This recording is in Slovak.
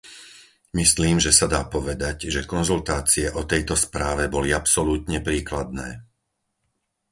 Myslím, že sa dá povedať, že konzultácie o tejto správe boli absolútne príkladné.